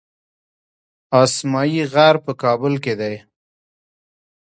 اسمايي غر په کابل کې دی